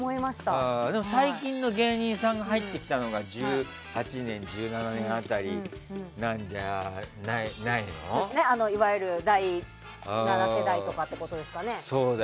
最近の芸人さんが入ってきたのが１８年１７年辺りいわゆる第７世代とかってことですかね。